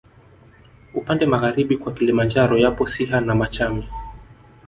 Upande magharibi kwa Kilimanjaro yapo Siha na Machame